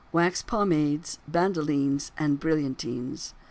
WAX POMADES, BANDOLINES, AND BRILLIANTINES.